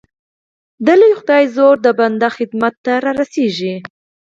د لوی خدای زور د بنده خدمت ته را رسېږي